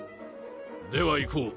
では行こう。